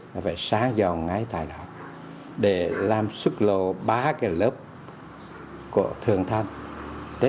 nó phải sáng dòn ngay tại đó để làm xuất lộ ba cái lớp của thường thành